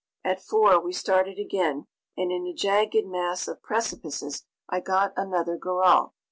At 4 we started again, and in a jagged mass of precipices I got another goral.